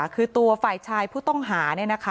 คือตัวฝ่ายชายผู้ต้องหา